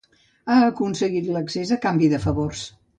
Han aconseguit l'accés a canvi de favors.